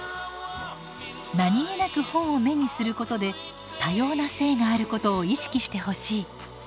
何気なく本を目にすることで多様な性があることを意識してほしい。